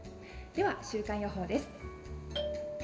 では、週間予報です。